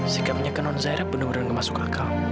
sikapnya ke nonzairah bener bener gak masuk akal